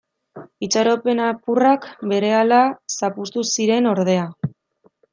Itxaropen apurrak berehala zapuztu ziren ordea.